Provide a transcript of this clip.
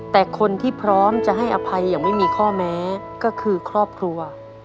แต่คนที่พร้อมจะให้อภัยอย่างไม่มีข้อแม้ก็คือครอบครัว